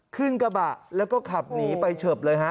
ขึ้นกระบะแล้วก็ขับหนีไปเฉิบเลยฮะ